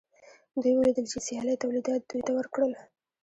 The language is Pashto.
دوی ولیدل چې سیالۍ تولیدات دوی ته ورکړل